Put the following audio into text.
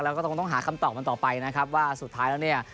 แล้วก็ต้องหาคำตอบมันต่อไปนะครับว่าสุดท้ายแล้วเนี่ย